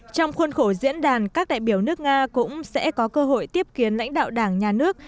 trong khuôn khổ diễn đàn các đại biểu nước nga cũng sẽ có cơ hội tiếp kiến lãnh đạo đảng nhà nước